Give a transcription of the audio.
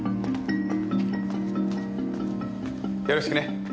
よろしくねっ。